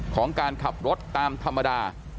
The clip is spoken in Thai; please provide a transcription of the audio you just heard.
ของการขับรถตามธรรมดา